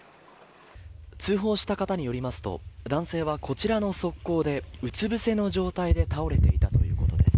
通報した方によりますと男性はこちらの側溝でうつ伏せの状態で倒れていたということです。